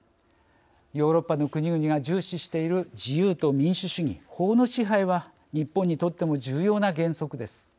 ヨーロッパの国々が重視している自由と民主主義、法の支配は日本にとっても重要な原則です。